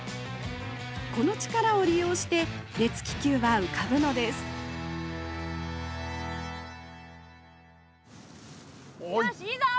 この力を利用して熱気球は浮かぶのですよしいいぞ！